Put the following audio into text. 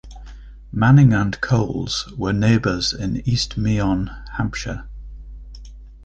Manning and Coles were neighbors in East Meon, Hampshire.